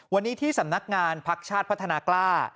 วันนี้ที่สำนักงานพักชาติพัฒนากล้า